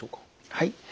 はい。